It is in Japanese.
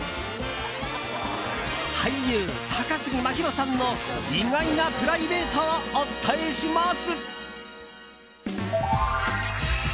俳優・高杉真宙さんの意外なプライベートをお伝えします。